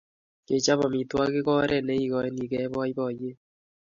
Kechop amitwogik ko oret neikoinigei boiboiyet